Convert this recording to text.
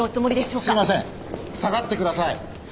すいません下がってください。